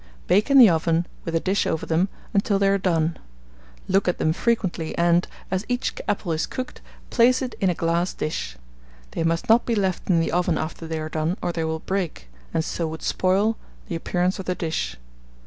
Bake in the oven, with a dish over them, until they are done. Look at them frequently, and, as each apple is cooked, place it in a glass dish. They must not be left in the oven after they are done, or they will break, and so would spoil the appearance of the dish.